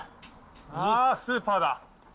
ああ、スーパーだ。